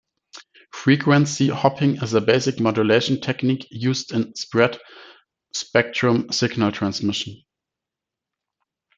Frequency hopping is a basic modulation technique used in spread spectrum signal transmission.